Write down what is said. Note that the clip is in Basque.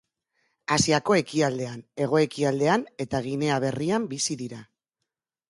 Asiako ekialdean, hego-ekialdean eta Ginea Berrian bizi dira.